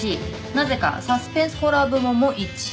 「なぜかサスペンスホラー部門も１位」